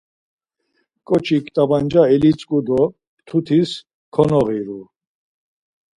Ǩoçik t̆apanca elitzǩu do mtutis konoğiru.